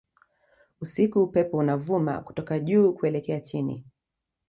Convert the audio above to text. Usiku upepo unavuma kutoka juu kuelekea chini